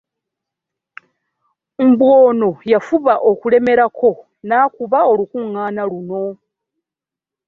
Mbu ono yafuba okulemerako n'akuba Olukuŋŋaana luno